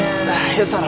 eh lu mau kemana